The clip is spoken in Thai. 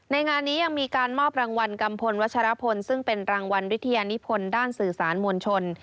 งานนี้ยังมีการมอบรางวัลกัมพลวัชรพลซึ่งเป็นรางวัลวิทยานิพลด้านสื่อสารมวลชน